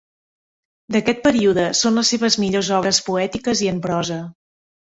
D'aquest període són les seves millors obres poètiques i en prosa.